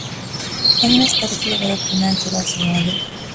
އެހެނަސް ދަރިފުޅު ވަރަށް ގިނައިން ކުރާ ސުވާލެއް